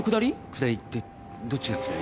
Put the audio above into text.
「下り」ってどっちが下り？